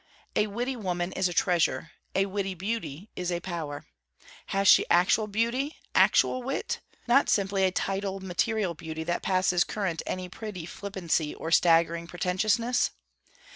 A witty woman is a treasure; a witty Beauty is a power. Has she actual beauty, actual wit? not simply a tidal material beauty that passes current any pretty flippancy or staggering pretentiousness?